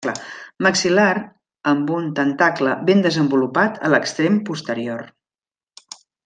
Maxil·lar amb un tentacle ben desenvolupat a l'extrem posterior.